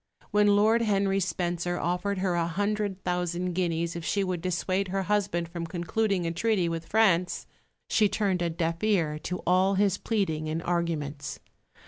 When Lord Henry Spencer offered her a hundred thousand guineas if she would dissuade her husband from concluding a treaty with France, she turned a deaf ear to all his pleading and arguments.